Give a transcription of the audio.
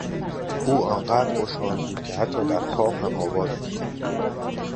او آنقدر خوشحال بود که حتی درخواب هم آواز میخواند.